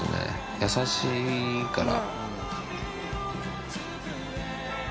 優しいから。